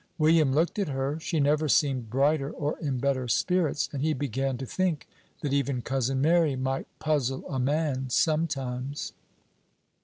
William looked at her: she never seemed brighter or in better spirits, and he began to think that even Cousin Mary might puzzle a man sometimes.